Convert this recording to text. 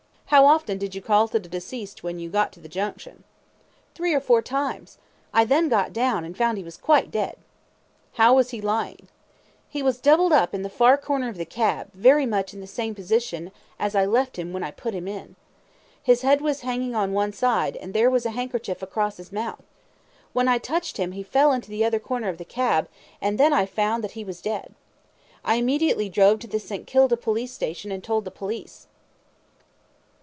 Q. How often did you call to the deceased when you got to the Junction? A. Three or four times. I then got down, and found he was quite dead. Q. How was he lying? A. He was doubled up in the far corner of the cab, very much in the same position as I left him when I put him in. His head was hanging on one side, and there was a handkerchief across his mouth. When I touched him he fell into the other corner of the cab, and then I found out he was dead. I immediately drove to the St. Kilda police station and told the police.